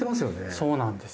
そうなんです。